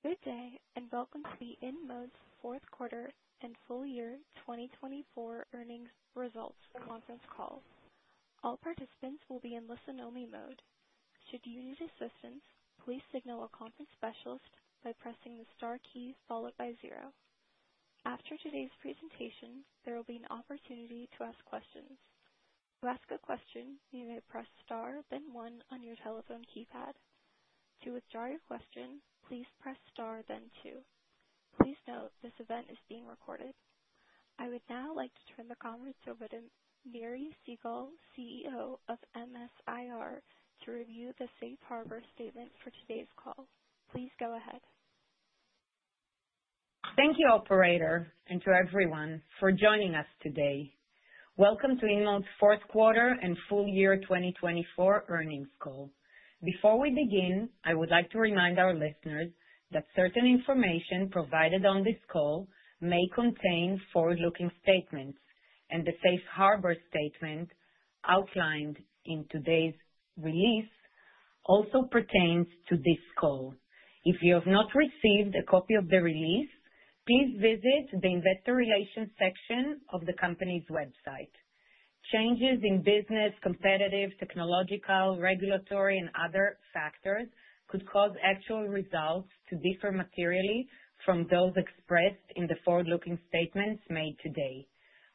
Good day, and welcome to the InMode's fourth quarter and Full Year 2024 earnings results conference call. All participants will be in listen-only mode. Should you need assistance, please signal a conference specialist by pressing the star key followed by zero. After today's presentation, there will be an opportunity to ask questions. To ask a question, you may press star, then one on your telephone keypad. To withdraw your question, please press star, then two. Please note this event is being recorded. I would now like to turn the conference over to Miri Segal, CEO of MS-IR, to review the Safe Harbor statement for today's call. Please go ahead. Thank you, Operator, and to everyone for joining us today. Welcome to InMode's fourth quarter and full year 2024 earnings call. Before we begin, I would like to remind our listeners that certain information provided on this call may contain forward-looking statements, and the Safe Harbor statement outlined in today's release also pertains to this call. If you have not received a copy of the release, please visit the Investor Relations section of the company's website. Changes in business, competitive, technological, regulatory, and other factors could cause actual results to differ materially from those expressed in the forward-looking statements made today.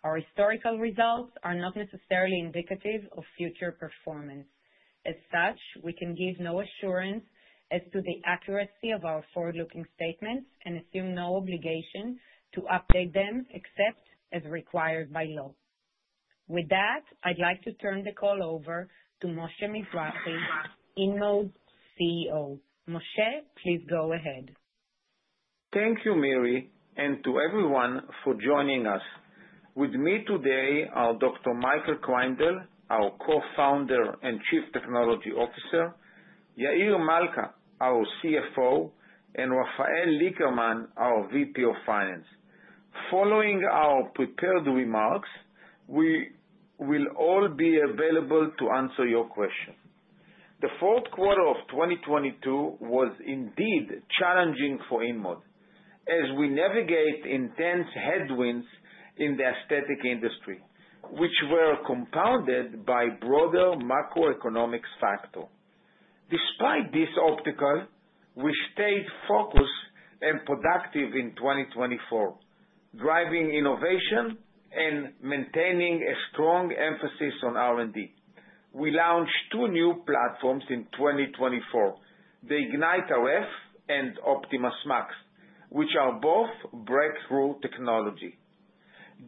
Our historical results are not necessarily indicative of future performance. As such, we can give no assurance as to the accuracy of our forward-looking statements and assume no obligation to update them except as required by law. With that, I'd like to turn the call over to Moshe Mizrahy, InMode CEO. Moshe, please go ahead. Thank you, Miri, and to everyone for joining us. With me today are Dr. Michael Kreindel, our co-founder and Chief Technology Officer, Yair Malca, our CFO, and Rafael Lickerman, our VP of Finance. Following our prepared remarks, we will all be available to answer your questions. The fourth quarter of 2022 was indeed challenging for InMode as we navigated intense headwinds in the aesthetic industry, which were compounded by broader macroeconomic factors. Despite this obstacle, we stayed focused and productive in 2024, driving innovation and maintaining a strong emphasis on R&D. We launched two new platforms in 2024, the IgniteRF and OptimasMAX, which are both breakthrough technology.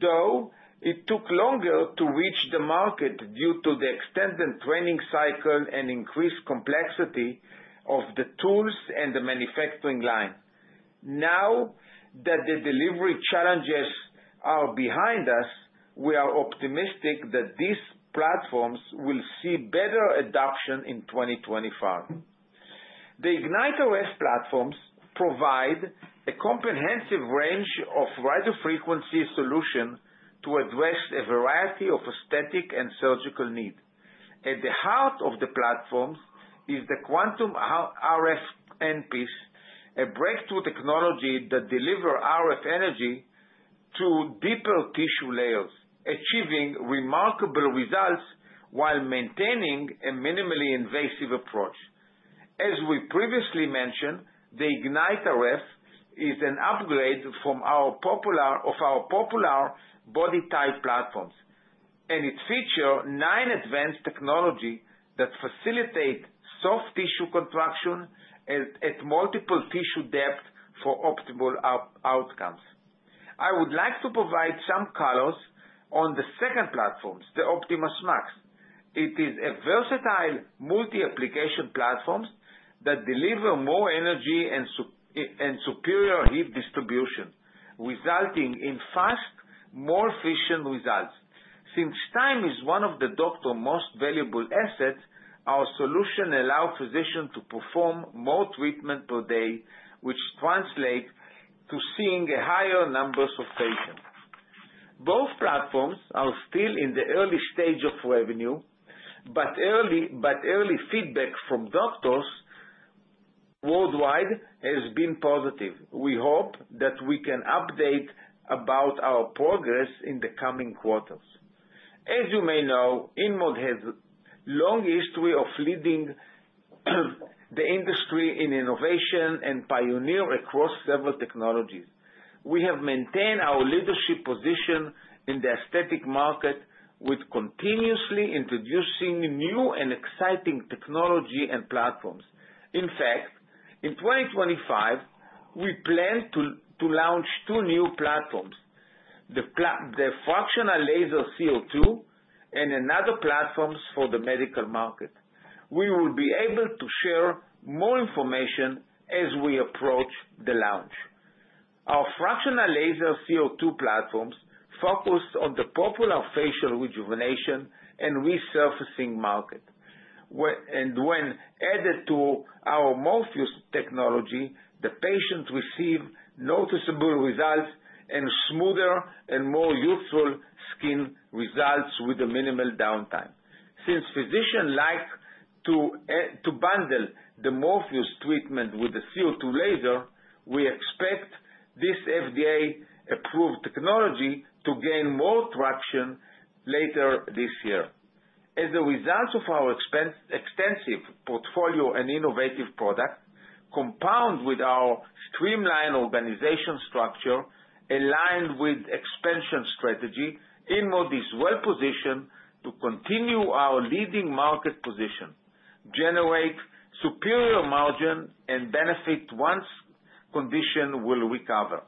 Though it took longer to reach the market due to the extended training cycle and increased complexity of the tools and the manufacturing line, now that the delivery challenges are behind us, we are optimistic that these platforms will see better adoption in 2025. The IgniteRF platforms provide a comprehensive range of radiofrequency solutions to address a variety of aesthetic and surgical needs. At the heart of the platforms is the Quantum RF handpiece, a breakthrough technology that delivers RF energy to deeper tissue layers, achieving remarkable results while maintaining a minimally invasive approach. As we previously mentioned, the IgniteRF is an upgrade from our popular BodyTite platforms, and it features nine advanced technologies that facilitate soft tissue contraction at multiple tissue depths for optimal outcomes. I would like to provide some colors on the second platforms, the OptimasMAX. It is a versatile, multi-application platform that delivers more energy and superior heat distribution, resulting in fast, more efficient results. Since time is one of the doctor's most valuable assets, our solution allows physicians to perform more treatments per day, which translates to seeing a higher number of patients. Both platforms are still in the early stage of revenue, but early feedback from doctors worldwide has been positive. We hope that we can update about our progress in the coming quarters. As you may know, InMode has a long history of leading the industry in innovation and pioneering across several technologies. We have maintained our leadership position in the aesthetic market with continuously introducing new and exciting technology and platforms. In fact, in 2025, we plan to launch two new platforms: the fractional laser CO2 and another platform for the medical market. We will be able to share more information as we approach the launch. Our fractional laser CO2 platforms focus on the popular facial rejuvenation and resurfacing market, and when added to our Morpheus technology, the patients receive noticeable results and smoother and more youthful skin results with a minimal downtime. Since physicians like to bundle the Morpheus treatment with the CO2 laser, we expect this FDA-approved technology to gain more traction later this year. As a result of our extensive portfolio and innovative product, compounded with our streamlined organization structure aligned with expansion strategy, InMode is well positioned to continue our leading market position, generate superior margin, and benefit once condition will recover.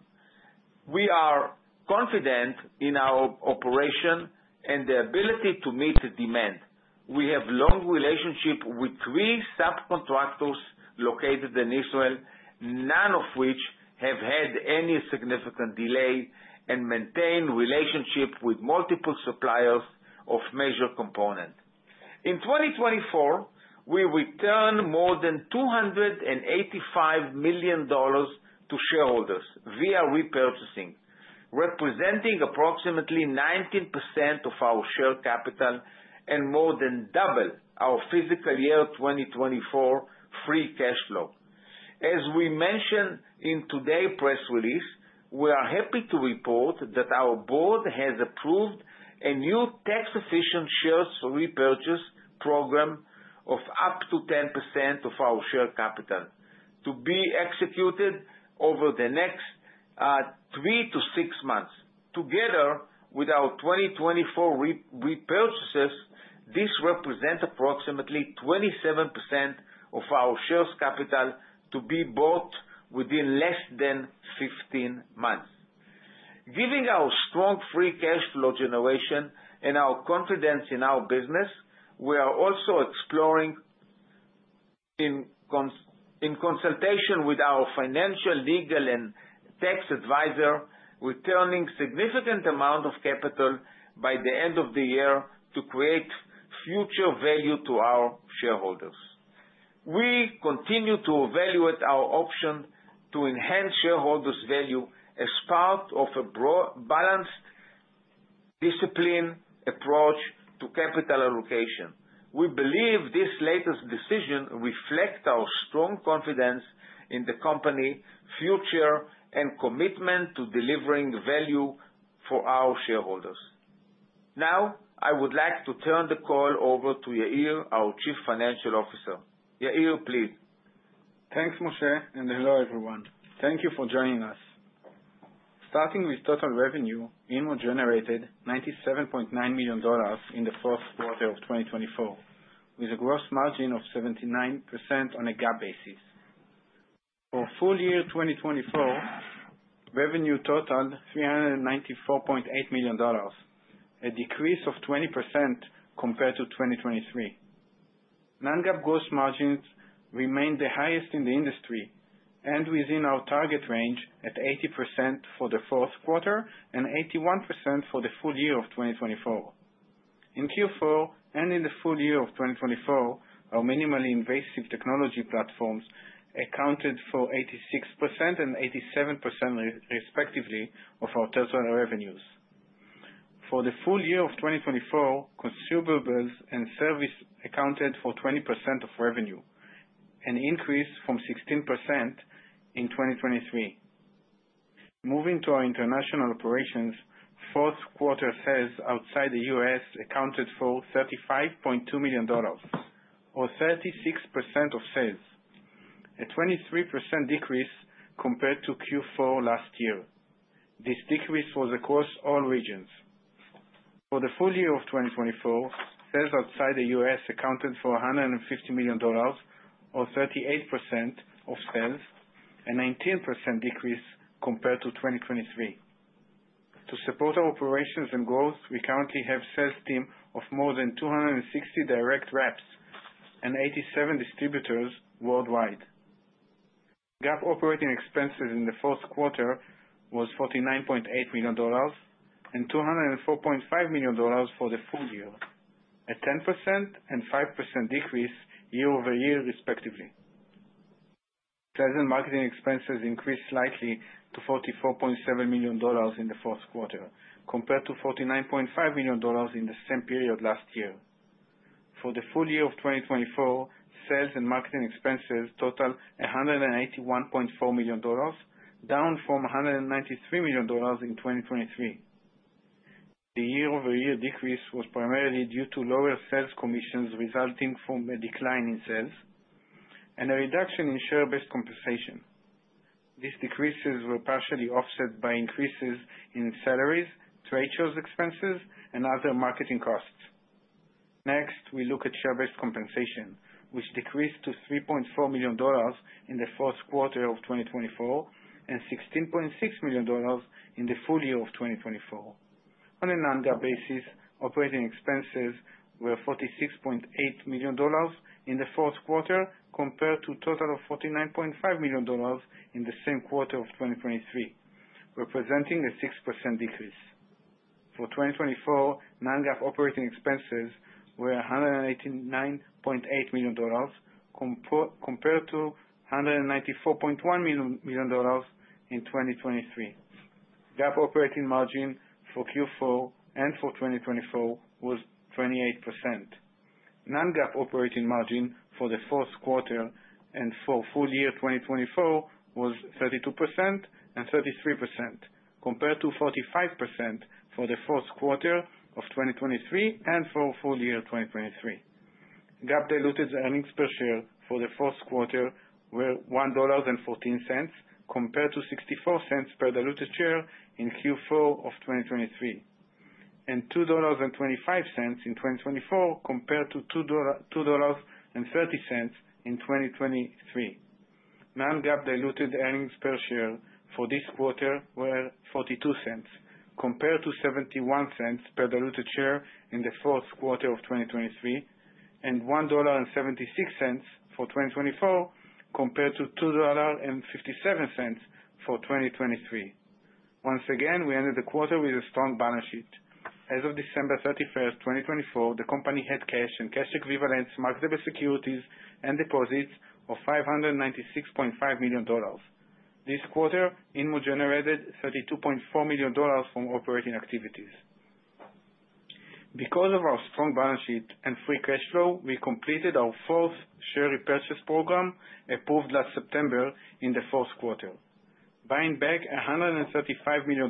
We are confident in our operation and the ability to meet demand. We have a long relationship with three subcontractors located in Israel, none of which have had any significant delay, and maintain relationships with multiple suppliers of major components. In 2024, we returned more than $285 million to shareholders via repurchasing, representing approximately 19% of our share capital and more than double our fiscal year 2024 free cash flow. As we mentioned in today's press release, we are happy to report that our board has approved a new tax-efficient shares repurchase program of up to 10% of our share capital to be executed over the next three to six months. Together, with our 2024 repurchases, this represents approximately 27% of our share capital to be bought within less than 15 months. Given our strong free cash flow generation and our confidence in our business, we are also exploring, in consultation with our financial, legal, and tax advisor, returning a significant amount of capital by the end of the year to create future value to our shareholders. We continue to evaluate our options to enhance shareholders' value as part of a balanced discipline approach to capital allocation. We believe this latest decision reflects our strong confidence in the company's future and commitment to delivering value for our shareholders. Now, I would like to turn the call over to Yair, our Chief Financial Officer. Yair, please. Thanks, Moshe, and hello, everyone. Thank you for joining us. Starting with total revenue, InMode generated $97.9 million in the fourth quarter of 2024, with a gross margin of 79% on a GAAP basis. For full year 2024, revenue totaled $394.8 million, a decrease of 20% compared to 2023. Non-GAAP gross margins remained the highest in the industry and within our target range at 80% for the fourth quarter and 81% for the full year of 2024. In Q4 and in the full year of 2024, our minimally invasive technology platforms accounted for 86% and 87%, respectively, of our total revenues. For the full year of 2024, consumables and service accounted for 20% of revenue, an increase from 16% in 2023. Moving to our international operations, the fourth quarter sales outside the U.S. accounted for $35.2 million, or 36% of sales, a 23% decrease compared to Q4 last year. This decrease was across all regions. For the Full Year of 2024, sales outside the U.S. accounted for $150 million, or 38% of sales, a 19% decrease compared to 2023. To support our operations and growth, we currently have a sales team of more than 260 direct reps and 87 distributors worldwide. GAAP operating expenses in the fourth quarter were $49.8 million and $204.5 million for the full year, a 10% and 5% decrease year over year, respectively. Sales and marketing expenses increased slightly to $44.7 million in the fourth quarter, compared to $49.5 million in the same period last year. For the full year of 2024, sales and marketing expenses totaled $181.4 million, down from $193 million in 2023. The year-over-year decrease was primarily due to lower sales commissions resulting from a decline in sales and a reduction in share-based compensation. These decreases were partially offset by increases in salaries, trade show expenses, and other marketing costs. Next, we look at share-based compensation, which decreased to $3.4 million in the fourth quarter of 2024 and $16.6 million in the full year of 2024. On a non-GAAP basis, operating expenses were $46.8 million in the fourth quarter compared to a total of $49.5 million in the same quarter of 2023, representing a 6% decrease. For 2024, non-GAAP operating expenses were $189.8 million compared to $194.1 million in 2023. GAAP operating margin for Q4 and for 2024 was 28%. Non-GAAP operating margin for the fourth quarter and for full year 2024 was 32% and 33%, compared to 45% for the fourth quarter of 2023 and for Full Year 2023. GAAP diluted earnings per share for the fourth quarter were $1.14 compared to $0.64 per diluted share in Q4 of 2023, and $2.25 in 2024 compared to $2.30 in 2023. Non-GAAP diluted earnings per share for this quarter were $0.42 compared to $0.71 per diluted share in the fourth quarter of 2023, and $1.76 for 2024 compared to $2.57 for 2023. Once again, we ended the quarter with a strong balance sheet. As of December 31, 2024, the company had cash and cash equivalents, marketable securities and deposits of $596.5 million. This quarter, InMode generated $32.4 million from operating activities. Because of our strong balance sheet and free cash flow, we completed our fourth share repurchase program approved last September in the fourth quarter, buying back $135 million,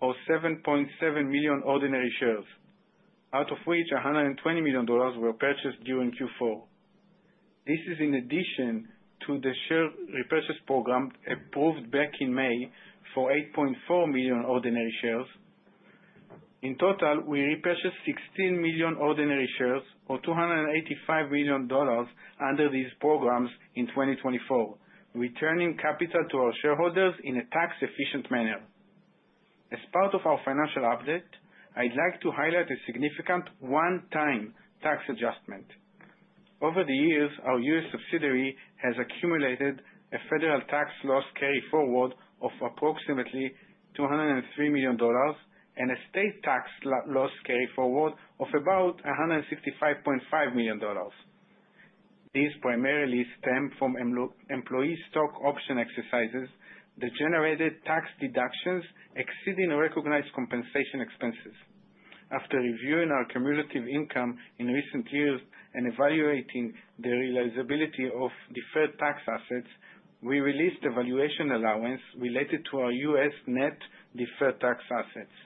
or 7.7 million ordinary shares, out of which $120 million were purchased during Q4. This is in addition to the share repurchase program approved back in May for 8.4 million ordinary shares. In total, we repurchased 16 million ordinary shares, or $285 million, under these programs in 2024, returning capital to our shareholders in a tax-efficient manner. As part of our financial update, I'd like to highlight a significant one-time tax adjustment. Over the years, our U.S. subsidiary has accumulated a federal tax loss carry forward of approximately $203 million and a state tax loss carry forward of about $165.5 million. These primarily stem from employee stock option exercises that generated tax deductions exceeding recognized compensation expenses. After reviewing our cumulative income in recent years and evaluating the realizability of deferred tax assets, we released the valuation allowance related to our U.S. net deferred tax assets.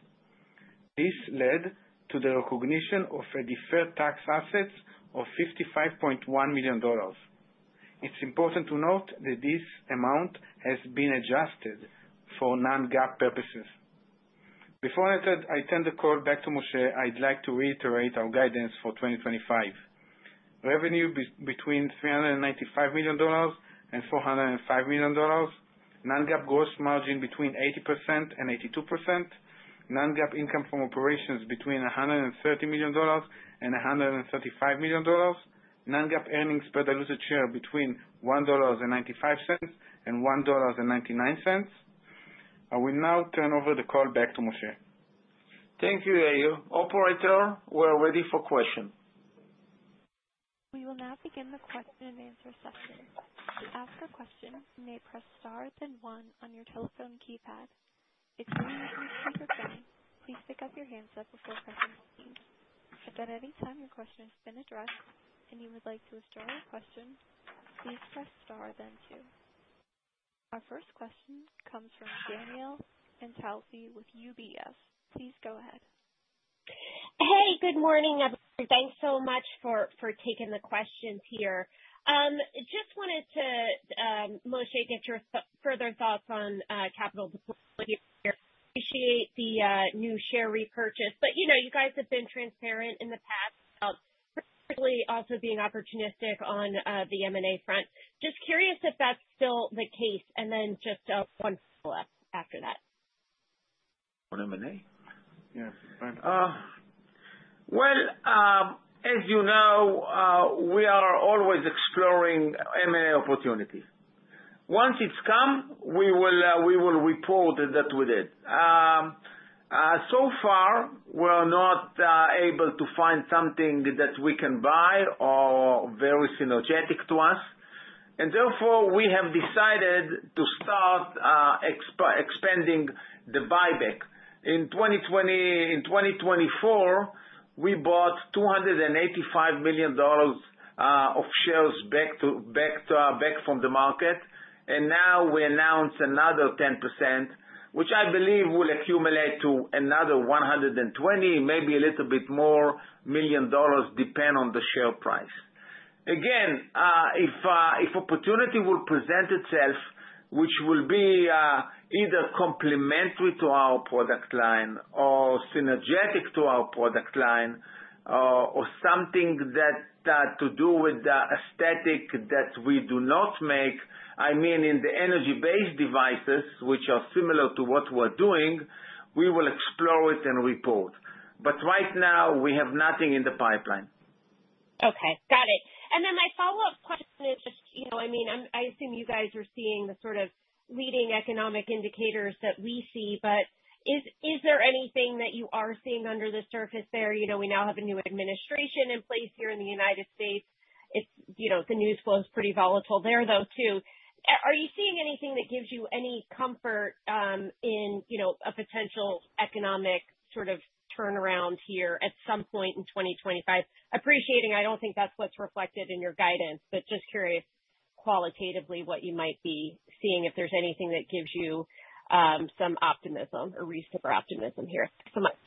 This led to the recognition of a deferred tax asset of $55.1 million. It's important to note that this amount has been adjusted for non-GAAP purposes. Before I turn the call back to Moshe, I'd like to reiterate our guidance for 2025: revenue between $395 million and $405 million, non-GAAP gross margin between 80% and 82%, non-GAAP income from operations between $130 million and $135 million, non-GAAP earnings per diluted share between $1.95 and $1.99. I will now turn over the call back to Moshe. Thank you, Yair. Operator, we're ready for questions. We will now begin the question and answer session. To ask a question, you may press star then one on your telephone keypad. If you need to keep recording, please pick up your handset before pressing the button. If at any time your question has been addressed and you would like to withdraw your question, please press star then two. Our first question comes from Danielle Antalffy with UBS. Please go ahead. Hey, good morning. Thanks so much for taking the questions here. Just wanted to, Moshe, get your further thoughts on capital deployment. We appreciate the new share repurchase. But you guys have been transparent in the past about particularly also being opportunistic on the M&A front. Just curious if that's still the case, and then just one follow-up after that. For M&A? Yes, fine, well, as you know, we are always exploring M&A opportunities. Once it's come, we will report that we did, so far, we are not able to find something that we can buy or very synergetic to us and therefore, we have decided to start expanding the buyback. In 2024, we bought $285 million of shares back from the market, and now we announced another 10%, which I believe will accumulate to another $120 million, maybe a little bit more, depending on the share price. Again, if opportunity will present itself, which will be either complementary to our product line or synergetic to our product line or something that had to do with the aesthetic that we do not make, I mean, in the energy-based devices, which are similar to what we're doing, we will explore it and report but right now, we have nothing in the pipeline. Okay. Got it. And then my follow-up question is just, I mean, I assume you guys are seeing the sort of leading economic indicators that we see, but is there anything that you are seeing under the surface there? We now have a new administration in place here in the United States. The news flow is pretty volatile there, too. Are you seeing anything that gives you any comfort in a potential economic sort of turnaround here at some point in 2025? Appreciating I don't think that's what's reflected in your guidance, but just curious qualitatively what you might be seeing if there's anything that gives you some optimism or reason for optimism here. Thanks so much.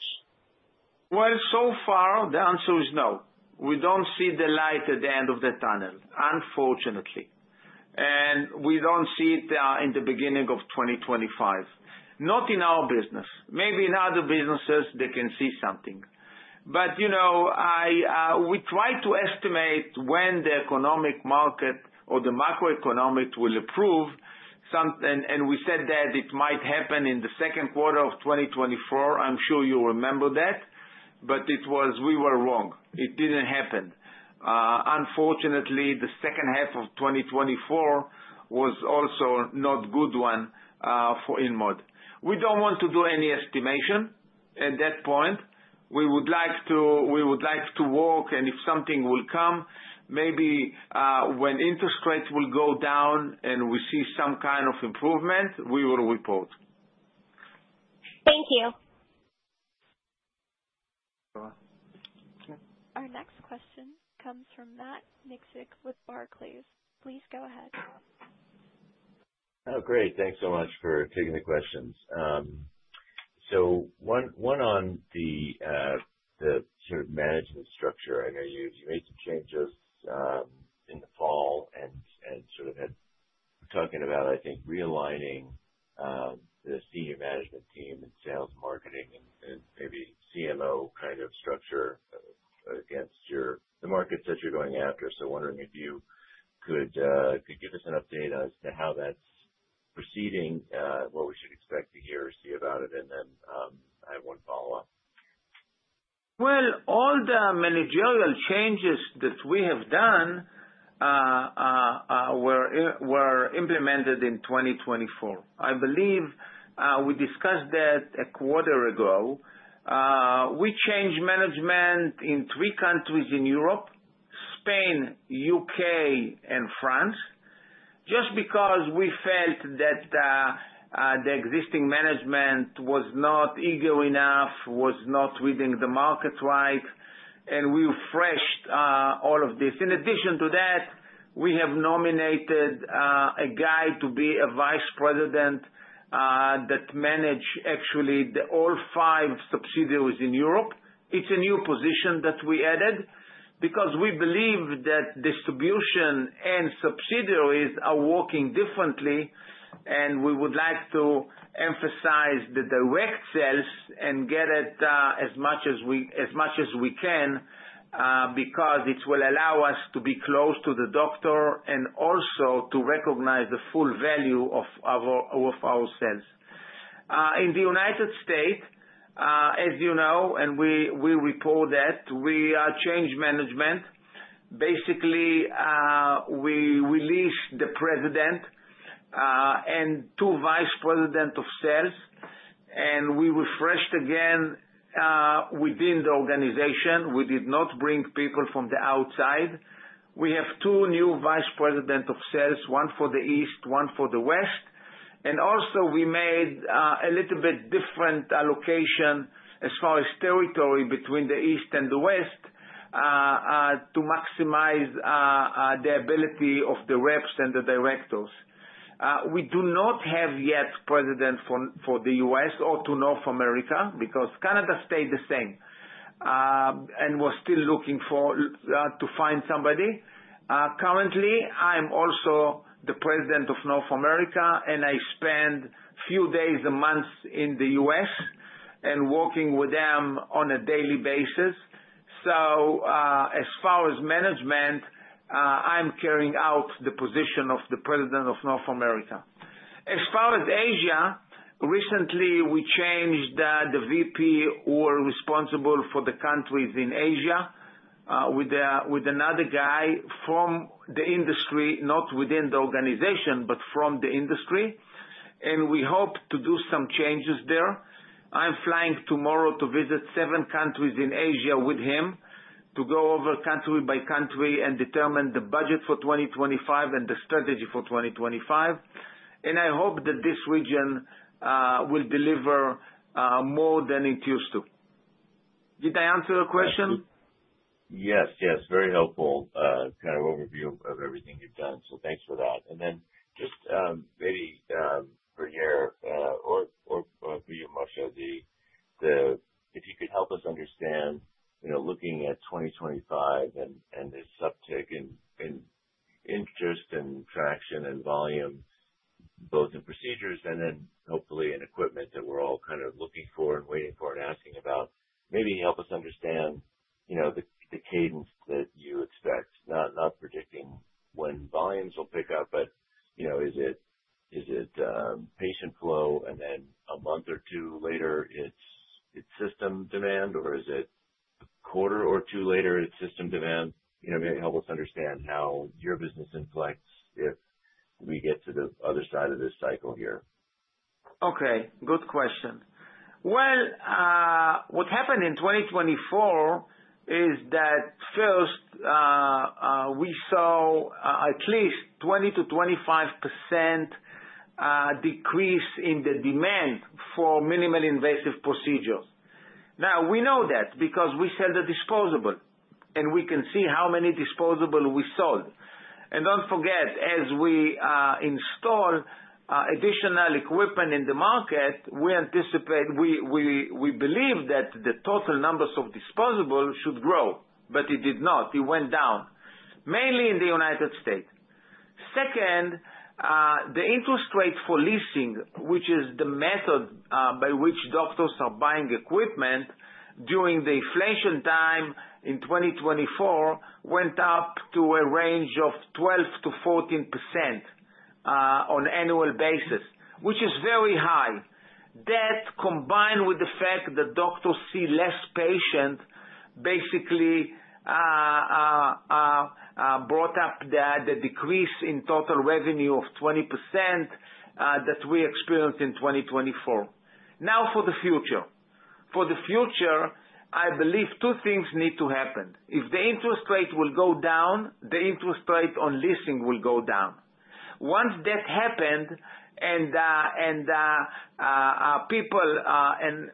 So far, the answer is no. We don't see the light at the end of the tunnel, unfortunately, and we don't see it in the beginning of 2025, not in our business. Maybe in other businesses, they can see something, but we try to estimate when the economic market or the macroeconomic will improve, and we said that it might happen in the second quarter of 2024. I'm sure you remember that, but we were wrong. It didn't happen. Unfortunately, the second half of 2024 was also not a good one for InMode. We don't want to do any estimation at that point. We would like to work, and if something will come, maybe when interest rates will go down and we see some kind of improvement, we will report. Thank you. Our next question comes from Matt Miksic with Barclays. Please go ahead. Oh, great. Thanks so much for taking the questions. So, one on the sort of management structure. I know you made some changes in the fall and sort of had talking about, I think, realigning the senior management team and sales and marketing and maybe CMO kind of structure against the markets that you're going after. So, wondering if you could give us an update as to how that's proceeding, what we should expect to hear or see about it, and then I have one follow-up. All the managerial changes that we have done were implemented in 2024. I believe we discussed that a quarter ago. We changed management in three countries in Europe: Spain, U.K., and France, just because we felt that the existing management was not eager enough, was not reading the market right, and we refreshed all of this. In addition to that, we have nominated a guy to be a vice president that managed actually all five subsidiaries in Europe. It's a new position that we added because we believe that distribution and subsidiaries are working differently, and we would like to emphasize the direct sales and get it as much as we can because it will allow us to be close to the doctor and also to recognize the full value of our sales. In the United States, as you know, and we reported that we are changing management. Basically, we released the president and two vice presidents of sales, and we refreshed again within the organization. We did not bring people from the outside. We have two new vice presidents of sales, one for the East, one for the West. Also, we made a little bit different allocation as far as territory between the East and the West to maximize the ability of the reps and the directors. We do not yet have a president for the U.S. or for North America because Canada stayed the same and we are still looking to find somebody. Currently, I'm also the president of North America, and I spend a few days a month in the U.S. and working with them on a daily basis. So as far as management, I'm carrying out the position of the president of North America. As far as Asia, recently, we changed the VP who are responsible for the countries in Asia with another guy from the industry, not within the organization, but from the industry. And we hope to do some changes there. I'm flying tomorrow to visit seven countries in Asia with him to go over country by country and determine the budget for 2025 and the strategy for 2025. And I hope that this region will deliver more than it used to. Did I answer your question? Yes, yes. Very helpful kind of overview of everything you've done. So thanks for that. And then just maybe for Yair or for you, Moshe, if you could help us understand looking at 2025 and the substantive interest and traction and volume, both in procedures and then hopefully in equipment that we're all kind of looking for and waiting for and asking about, maybe help us understand the cadence that you expect, not predicting when volumes will pick up, but is it patient flow and then a month or two later, it's system demand, or is it a quarter or two later, it's system demand? Maybe help us understand how your business inflects if we get to the other side of this cycle here. Okay. Good question. Well, what happened in 2024 is that first, we saw at least a 20%-25% decrease in the demand for minimally invasive procedures. Now, we know that because we sell the disposable, and we can see how many disposable we sold. And don't forget, as we install additional equipment in the market, we believe that the total numbers of disposable should grow, but it did not. It went down, mainly in the United States. Second, the interest rate for leasing, which is the method by which doctors are buying equipment during the inflation time in 2024, went up to a range of 12%-14% on annual basis, which is very high. That combined with the fact that doctors see less patients basically brought up the decrease in total revenue of 20% that we experienced in 2024. Now, for the future. For the future, I believe two things need to happen. If the interest rate will go down, the interest rate on leasing will go down. Once that happened and people and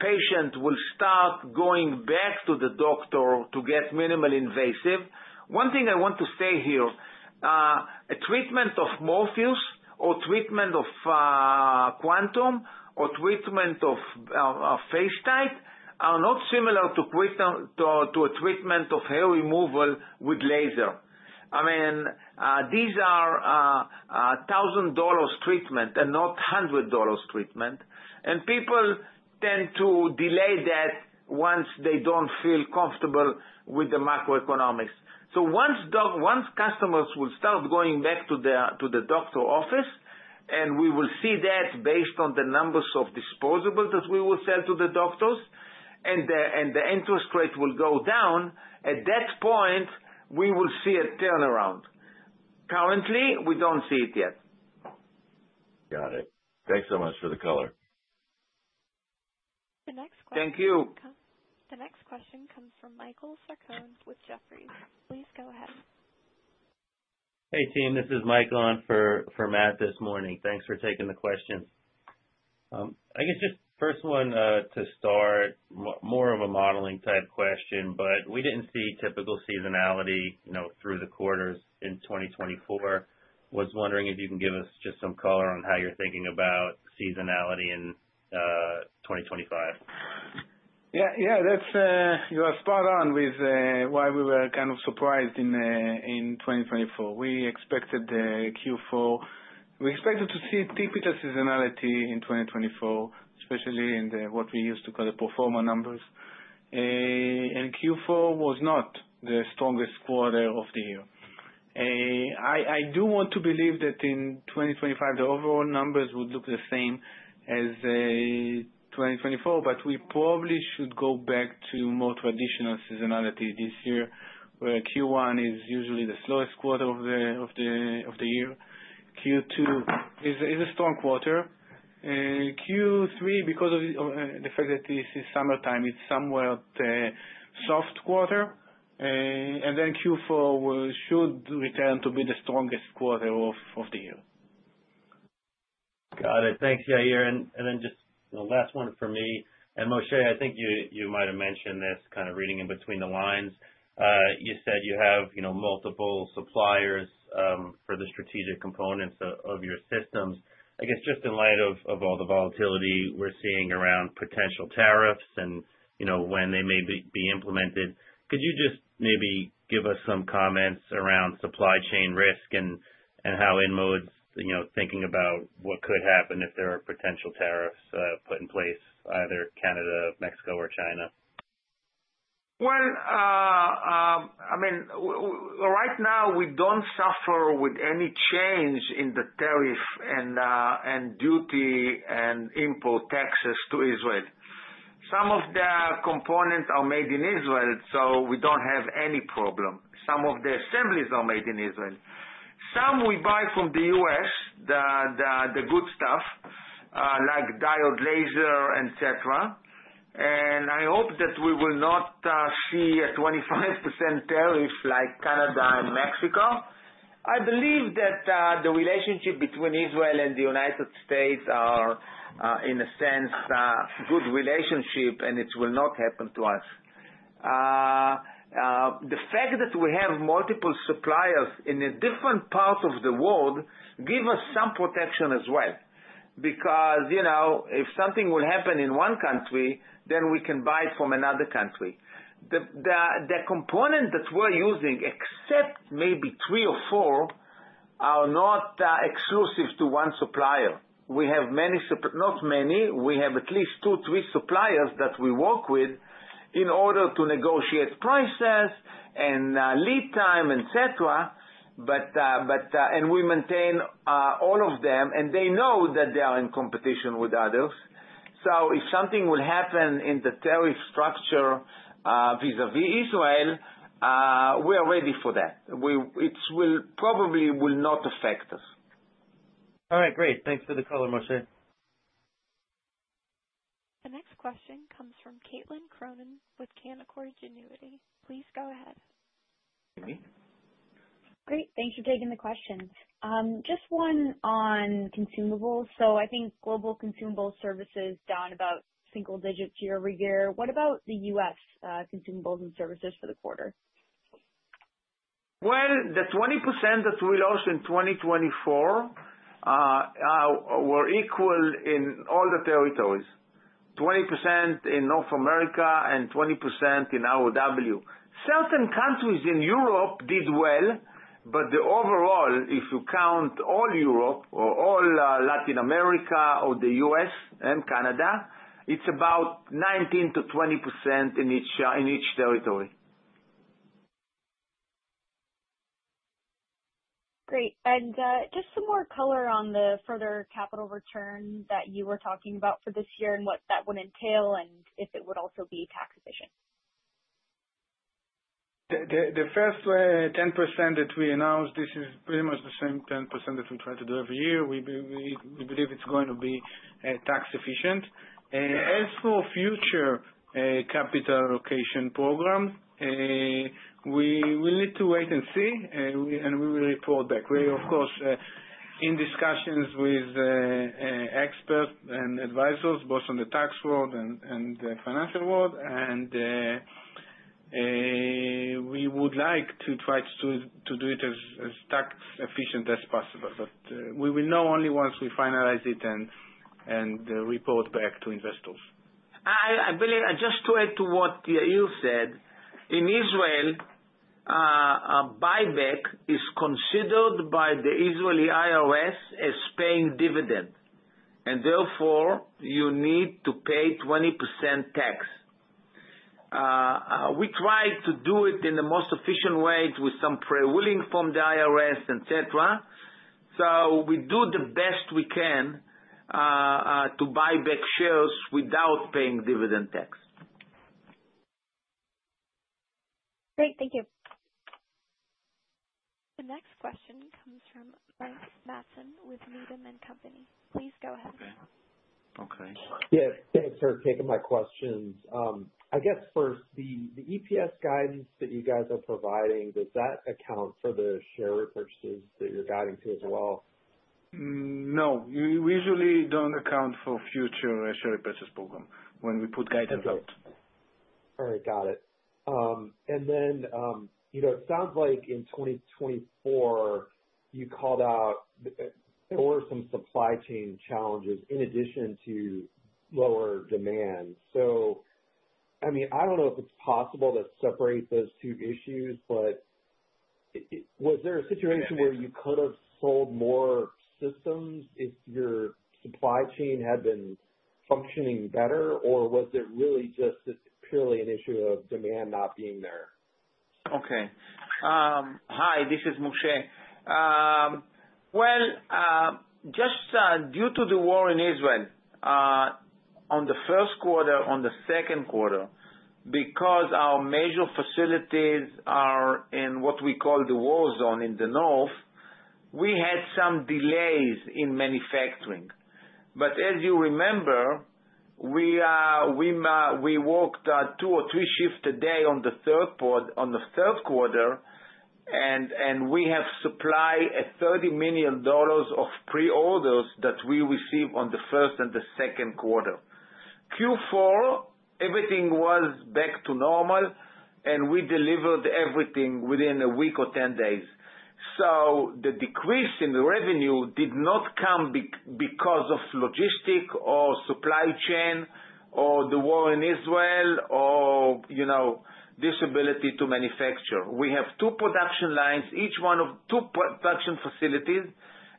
patients will start going back to the doctor to get minimally invasive, one thing I want to say here, a treatment of Morpheus or treatment of Quantum or treatment of FaceTite are not similar to a treatment of hair removal with laser. I mean, these are $1,000 treatment and not $100 treatment. And people tend to delay that once they don't feel comfortable with the macroeconomics. So once customers will start going back to the doctor office, and we will see that based on the numbers of disposable that we will sell to the doctors, and the interest rate will go down, at that point, we will see a turnaround. Currently, we don't see it yet. Got it. Thanks so much for the color. The next question. Thank you. The next question comes from Michael Sarcone with Jefferies. Please go ahead. Hey, team. This is Michael on for Matt this morning. Thanks for taking the questions. I guess just first one to start, more of a modeling type question, but we didn't see typical seasonality through the quarters in 2024. Was wondering if you can give us just some color on how you're thinking about seasonality in 2025? Yeah, yeah. You are spot on with why we were kind of surprised in 2024. We expected Q4. We expected to see typical seasonality in 2024, especially in what we used to call the performer numbers, and Q4 was not the strongest quarter of the year. I do want to believe that in 2025, the overall numbers would look the same as 2024, but we probably should go back to more traditional seasonality this year where Q1 is usually the slowest quarter of the year. Q2 is a strong quarter. Q3, because of the fact that this is summertime, it's somewhat a soft quarter, and then Q4 should return to be the strongest quarter of the year. Got it. Thanks, Yair. And then just the last one for me. And Moshe, I think you might have mentioned this kind of reading in between the lines. You said you have multiple suppliers for the strategic components of your systems. I guess just in light of all the volatility we're seeing around potential tariffs and when they may be implemented, could you just maybe give us some comments around supply chain risk and how InMode's thinking about what could happen if there are potential tariffs put in place, either Canada, Mexico, or China? Well, I mean, right now, we don't suffer with any change in the tariff and duty and import taxes to Israel. Some of the components are made in Israel, so we don't have any problem. Some of the assemblies are made in Israel. Some we buy from the U.S., the good stuff, like diode, laser, etc. And I hope that we will not see a 25% tariff like Canada and Mexico. I believe that the relationship between Israel and the United States are, in a sense, good relationship, and it will not happen to us. The fact that we have multiple suppliers in a different part of the world gives us some protection as well because if something will happen in one country, then we can buy it from another country. The component that we're using, except maybe three or four, are not exclusive to one supplier. We have many—not many. We have at least two, three suppliers that we work with in order to negotiate prices and lead time, etc. And we maintain all of them, and they know that they are in competition with others. So if something will happen in the tariff structure vis-à-vis Israel, we are ready for that. It probably will not affect us. All right. Great. Thanks for the color, Moshe. The next question comes from Caitlin Cronin with Canaccord Genuity. Please go ahead. Great. Thanks for taking the question. Just one on consumables. So I think global consumables and services down about single-digit year over year. What about the U.S. consumables and services for the quarter? The 20% that we lost in 2024 were equal in all the territories: 20% in North America and 20% in Abu Dhabi. Certain countries in Europe did well, but overall, if you count all Europe or all Latin America or the U.S. and Canada, it's about 19%-20% in each territory. Great. And just some more color on the further capital return that you were talking about for this year and what that would entail and if it would also be tax efficient? The first 10% that we announced, this is pretty much the same 10% that we try to do every year. We believe it's going to be tax efficient. As for future capital allocation programs, we will need to wait and see, and we will report back. We are, of course, in discussions with experts and advisors, both on the tax world and the financial world, and we would like to try to do it as tax efficient as possible. But we will know only once we finalize it and report back to investors. I believe just to add to what Yair said, in Israel, buyback is considered by the Israeli IRS as paying dividend, and therefore, you need to pay 20% tax. We try to do it in the most efficient way with some leeway from the IRS, etc. So we do the best we can to buy back shares without paying dividend tax. Great. Thank you. The next question comes from Mike Matson with Needham & Company. Please go ahead. Okay. Okay. Yes. Thanks for taking my questions. I guess first, the EPS guidance that you guys are providing, does that account for the share repurchases that you're guiding to as well? No. We usually don't account for future share repurchase program when we put guidance out. All right. Got it. And then it sounds like in 2024, you called out there were some supply chain challenges in addition to lower demand. So I mean, I don't know if it's possible to separate those two issues, but was there a situation where you could have sold more systems if your supply chain had been functioning better, or was it really just purely an issue of demand not being there? Okay. Hi, this is Moshe. Well, just due to the war in Israel on the first quarter, on the second quarter, because our major facilities are in what we call the war zone in the north, we had some delays in manufacturing. But as you remember, we worked two or three shifts a day on the third quarter, and we have supplied $30 million of pre-orders that we received on the first and the second quarter. Q4, everything was back to normal, and we delivered everything within a week or 10 days. So the decrease in revenue did not come because of logistics or supply chain or the war in Israel or inability to manufacture. We have two production lines, each one of two production facilities,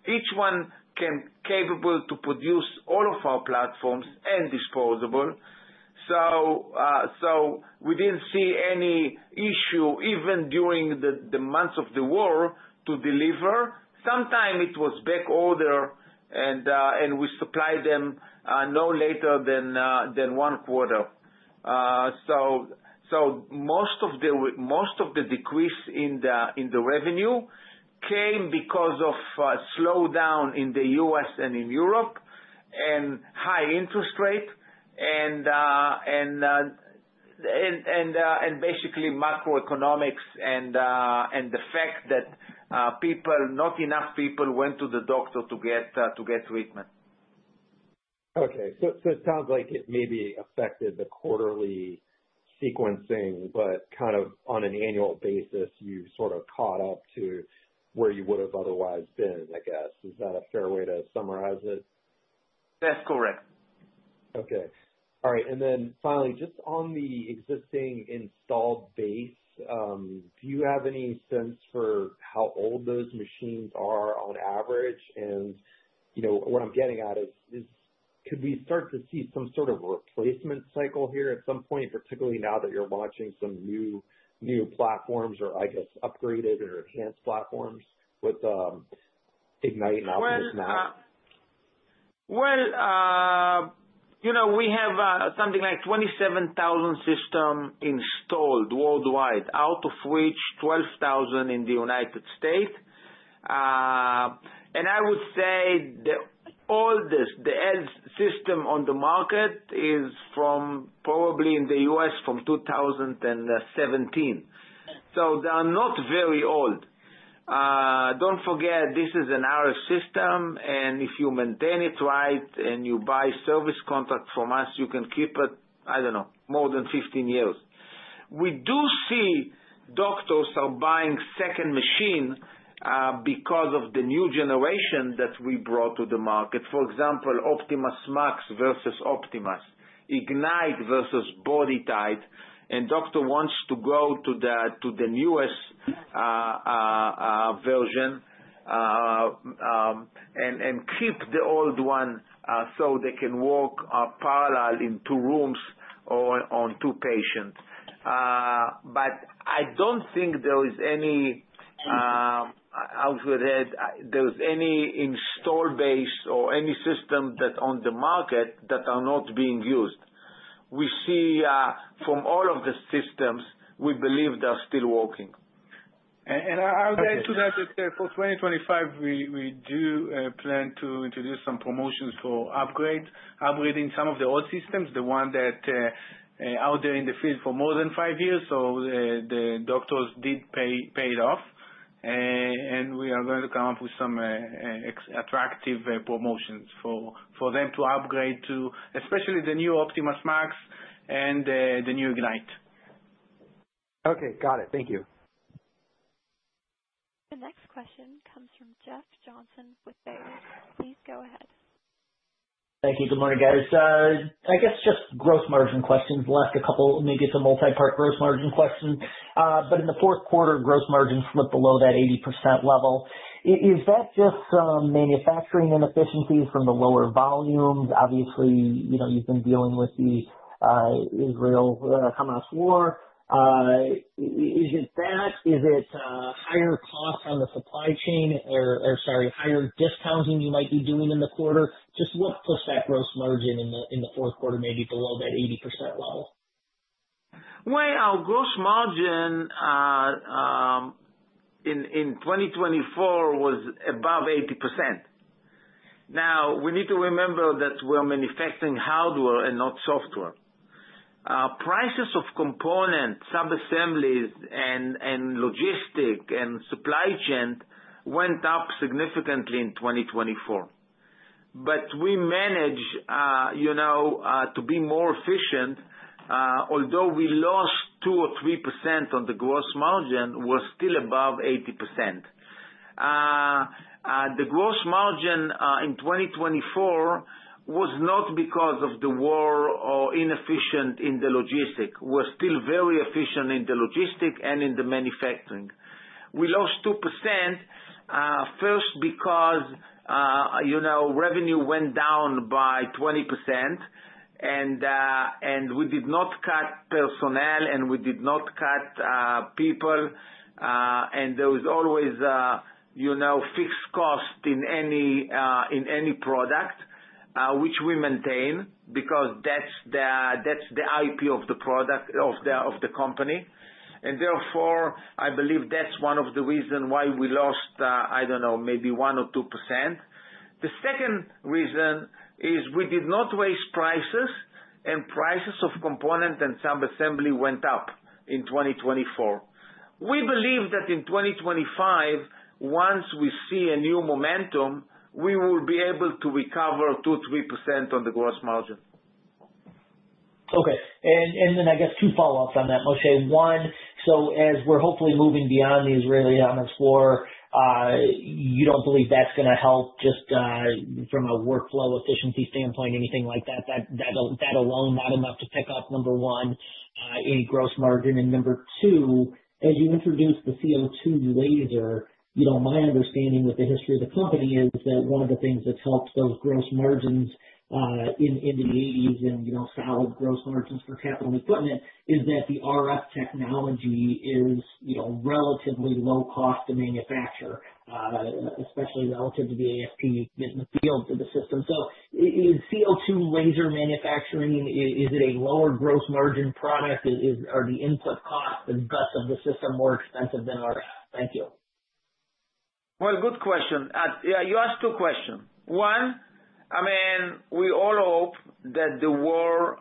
each one capable to produce all of our platforms and disposable. So we didn't see any issue even during the months of the war to deliver. Sometimes it was backorder, and we supplied them no later than one quarter. So most of the decrease in the revenue came because of a slowdown in the U.S. and in Europe and high interest rates and basically macroeconomics and the fact that not enough people went to the doctor to get treatment. Okay. So it sounds like it maybe affected the quarterly sequencing, but kind of on an annual basis, you sort of caught up to where you would have otherwise been, I guess. Is that a fair way to summarize it? That's correct. Okay. All right. And then finally, just on the existing installed base, do you have any sense for how old those machines are on average? And what I'm getting at is, could we start to see some sort of replacement cycle here at some point, particularly now that you're launching some new platforms or, I guess, upgraded or enhanced platforms with Ignite and Optimas now? We have something like 27,000 systems installed worldwide, out of which 12,000 in the United States. I would say the oldest system on the market is from probably in the U.S. from 2017. They are not very old. Don't forget, this is an RF system, and if you maintain it right and you buy a service contract from us, you can keep it, I don't know, more than 15 years. We do see doctors buying second machines because of the new generation that we brought to the market. For example, OptimasMAX versus Optimas, IgniteRF versus BodyTite, and the doctor wants to go to the newest version and keep the old one so they can work parallel in two rooms or on two patients. But I don't think there is any. I would add, there is any installed base or any system on the market that are not being used. We see from all of the systems, we believe they're still working. And I would add to that that for 2025, we do plan to introduce some promotions for upgrading some of the old systems, the one that is out there in the field for more than five years, so the doctors did pay it off. And we are going to come up with some attractive promotions for them to upgrade, especially the new OptimasMAX and the new IgniteRF. Okay. Got it. Thank you. The next question comes from Jeff Johnson with Baird. Please go ahead. Thank you. Good morning, guys. I guess just gross margin questions. Last couple maybe it's a multipart gross margin question. But in the fourth quarter, gross margins slipped below that 80% level. Is that just manufacturing inefficiencies from the lower volumes? Obviously, you've been dealing with the Israel-Hamas war. Is it that? Is it higher costs on the supply chain or, sorry, higher discounting you might be doing in the quarter? Just what pushed that gross margin in the fourth quarter maybe below that 80% level? Our gross margin in 2024 was above 80%. Now, we need to remember that we are manufacturing hardware and not software. Prices of components, subassemblies, and logistics and supply chain went up significantly in 2024. But we managed to be more efficient. Although we lost 2 or 3% on the gross margin, we're still above 80%. The gross margin in 2024 was not because of the war or inefficiency in the logistics. We're still very efficient in the logistics and in the manufacturing. We lost 2% first because revenue went down by 20%, and we did not cut personnel, and we did not cut people. And there was always a fixed cost in any product, which we maintain because that's the IP of the product of the company. And therefore, I believe that's one of the reasons why we lost, I don't know, maybe 1 or 2%. The second reason is we did not raise prices, and prices of components and subassemblies went up in 2024. We believe that in 2025, once we see a new momentum, we will be able to recover 2%-3% on the gross margin. Okay. And then I guess two follow-ups on that, Moshe. One, so as we're hopefully moving beyond the Israeli-Hamas war, you don't believe that's going to help just from a workflow efficiency standpoint, anything like that? That alone, not enough to pick up, number one, any gross margin. And number two, as you introduced the CO2 laser, my understanding with the history of the company is that one of the things that's helped those gross margins in the '80s and solid gross margins for capital equipment is that the RF technology is relatively low cost to manufacture, especially relative to the ASP in the field of the system. So is CO2 laser manufacturing, is it a lower gross margin product, or are the input costs and guts of the system more expensive than RF? Thank you. Good question. You asked two questions. One, I mean, we all hope that the war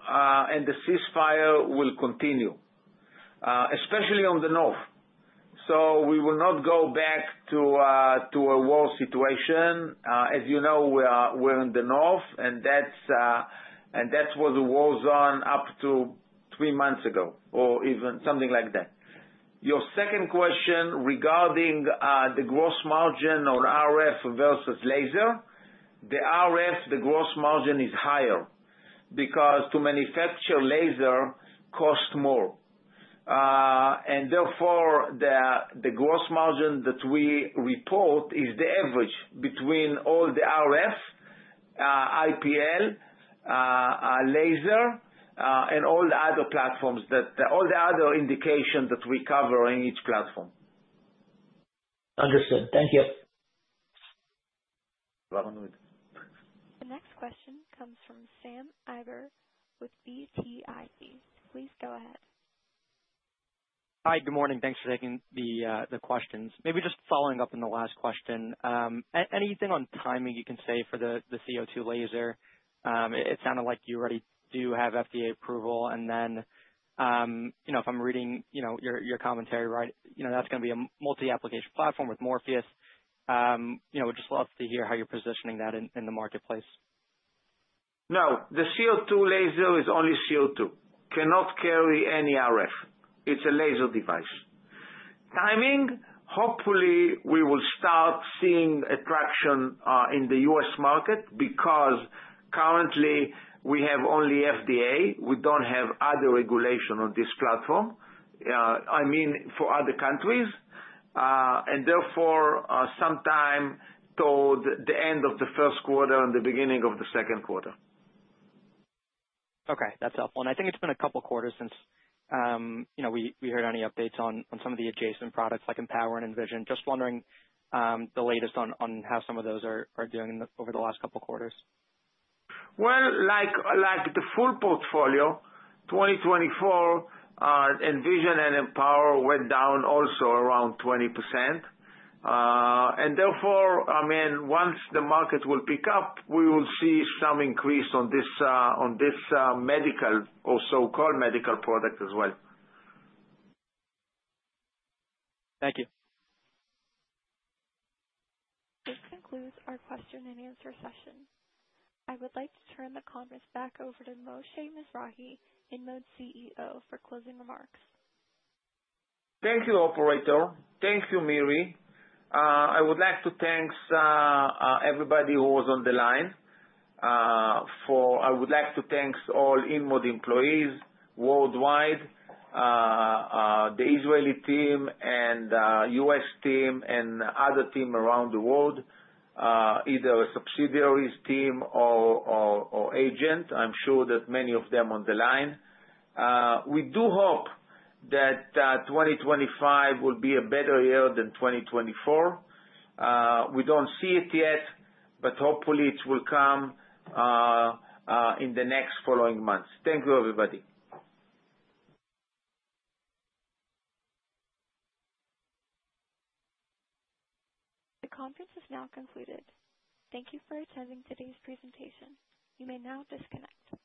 and the ceasefire will continue, especially on the north. So we will not go back to a war situation. As you know, we're in the north, and that's where the war's on up to three months ago or even something like that. Your second question regarding the gross margin on RF versus laser, the RF, the gross margin is higher because to manufacture laser costs more. And therefore, the gross margin that we report is the average between all the RF, IPL, laser, and all the other platforms, all the other indications that we cover in each platform. Understood. Thank you. The next question comes from Sam Eiber with BTIG. Please go ahead. Hi. Good morning. Thanks for taking the questions. Maybe just following up on the last question, anything on timing you can say for the CO2 laser? It sounded like you already do have FDA approval. And then if I'm reading your commentary, right, that's going to be a multi-application platform with Morpheus. We'd just love to hear how you're positioning that in the marketplace. No. The CO2 laser is only CO2. Cannot carry any RF. It's a laser device. Timing, hopefully, we will start seeing attraction in the U.S. market because currently, we have only FDA. We don't have other regulation on this platform, I mean, for other countries. And therefore, sometime toward the end of the first quarter and the beginning of the second quarter. Okay. That's helpful, and I think it's been a couple of quarters since we heard any updates on some of the adjacent products like Empower and Envision. Just wondering the latest on how some of those are doing over the last couple of quarters. Like the full portfolio, 2024, Envision and Empower went down also around 20%. And therefore, I mean, once the market will pick up, we will see some increase on this medical or so-called medical product as well. Thank you. This concludes our question and answer session. I would like to turn the conference back over to Moshe Mizrahy, InMode CEO for closing remarks. Thank you, Operator. Thank you, Miri. I would like to thank everybody who was on the line. I would like to thank all InMode employees worldwide, the Israeli team, and U.S. team, and other teams around the world, either subsidiaries' team or agent. I'm sure that many of them are on the line. We do hope that 2025 will be a better year than 2024. We don't see it yet, but hopefully, it will come in the next following months. Thank you, everybody. The conference is now concluded. Thank you for attending today's presentation. You may now disconnect.